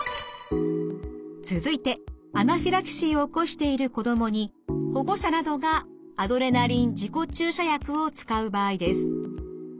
続いてアナフィラキシーを起こしている子どもに保護者などがアドレナリン自己注射薬を使う場合です。